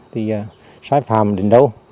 thì sai phạm đến đâu